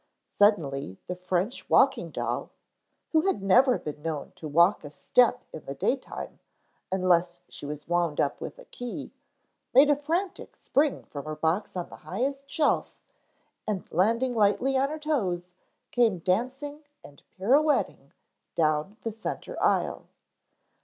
Suddenly the French walking doll, who had never been known to walk a step in the daytime unless she was wound up with a key, made a frantic spring from her box on the highest shelf, and landing lightly on her toes came dancing and pirouetting down the centre aisle.